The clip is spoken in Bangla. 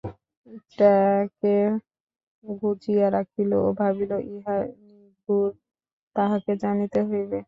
ট্যাঁকে গুঁজিয়া রাখিল ও ভাবিল ইহার নিগূঢ় তাহাকে জানিতে হইবে।